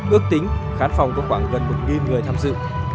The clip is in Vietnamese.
ước tính khán phòng có khoảng gần một người tham dự